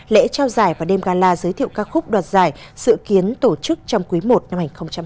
lễ trao giải và đêm gala giới thiệu các khúc đoạt giải sự kiến tổ chức trong quý i năm hai nghìn hai mươi năm